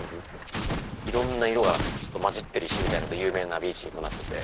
いろんな色が混じってる石で有名なビーチにもなってて。